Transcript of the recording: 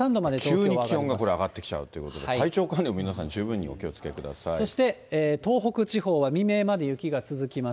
急に気温がこれ上がってきちゃうということで、体調管理、皆そして東北地方は未明まで雪が続きます。